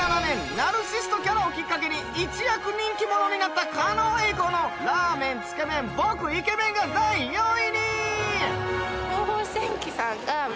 ナルシストキャラをきっかけに一躍人気者になった狩野英孝の「ラーメンつけ麺僕イケメン」が第４位に。